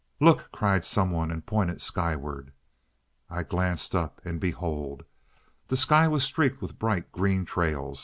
"Look!" cried some one, and pointed skyward. I glanced up, and behold! The sky was streaked with bright green trails.